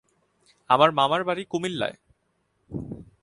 আমার মামার বাড়ি কুমিল্লায়।